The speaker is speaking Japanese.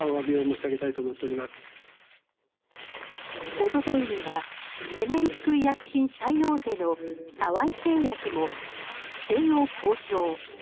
一昨日にはジェネリック医薬品大手の沢井製薬も不正を公表。